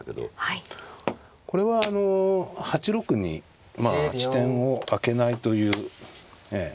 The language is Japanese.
これはあの８六にまあ地点を空けないというええ。